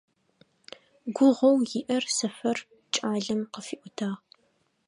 Гугъоу иӀэр Сэфэр кӀалэм къыфиӀотагъ.